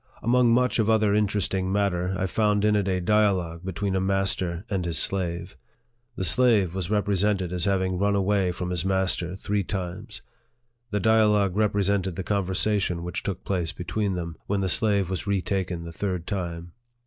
Among much of other interesting matter, I found in it a dialogue between a master and his slave. The slave was represented as having run away from his master three times. The dialogue represented the conversation which took place between them, when the slave was retaken the third time.